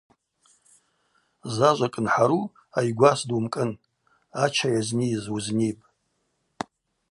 Зажва кӏынхӏару айгвас дуымкӏын – ача йазнийыз уызнипӏ.